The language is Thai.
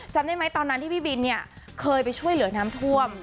จำได้ไหมตอนนั้นที่พี่บินเนี่ยเคยไปช่วยเหลือน้ำท่วม